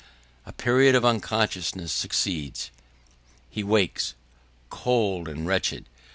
A period of unconsciousness succeeds. He wakes, cold and wretched.